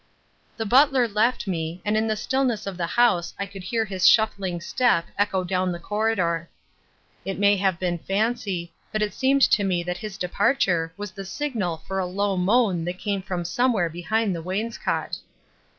The butler left me, and in the stillness of the house I could hear his shuffling step echo down the corridor. It may have been fancy, but it seemed to me that his departure was the signal for a low moan that came from somewhere behind the wainscot.